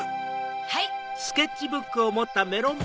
はい。